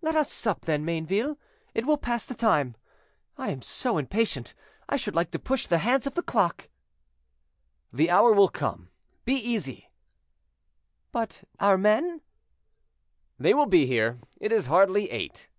"Let us sup, then, Mayneville, it will pass the time. I am so impatient, I should like to push the hands of the clock." "The hour will come; be easy." "But our men?" "They will be here; it is hardly eight."